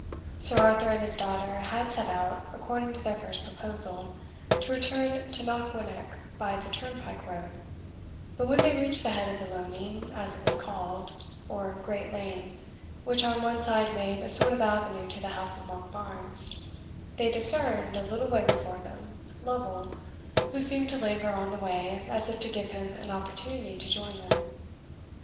Sir Arthur and his daughter had set out, according to their first proposal, to return to Knockwinnock by the turnpike road; but when they reached the head of the loaning, as it was called, or great lane, which on one side made a sort of avenue to the house of Monkbarns, they discerned, a little way before them, Lovel, who seemed to linger on the way as if to give him an opportunity to join them.